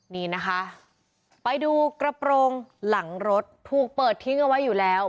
นี่นะคะไปดูกระโปรงหลังรถถูกเปิดทิ้งเอาไว้อยู่แล้ว